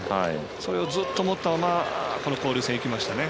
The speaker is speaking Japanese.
それをずっと持ったままこの交流戦いきましたね。